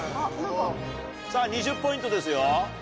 さぁ２０ポイントですよ。